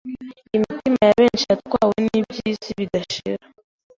imitima ya benshi yatwawe nibyisi bidashira